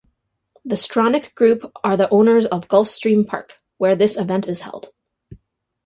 The Stronach Group are the owners of Gulfstream Park where this event is held.